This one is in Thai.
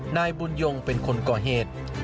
นายบุญยงเป็นคนก่อเหตุ